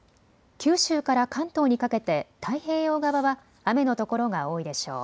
九州から関東にかけて太平洋側は雨の所が多いでしょう。